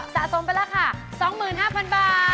สะสมเป็นราคา๒๕๐๐๐บาท